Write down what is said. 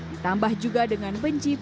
ditambah juga dengan benci